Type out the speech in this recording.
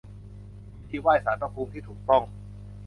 วิธีไหว้ศาลพระภูมิที่ถูกต้อง